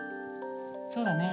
そうだね。